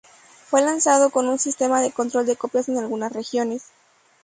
Fue lanzado con un sistema de control de copias en algunas regiones.